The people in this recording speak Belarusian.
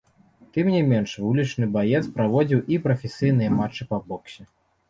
Тым не менш, вулічны баец праводзіў і прафесійныя матчы па боксе.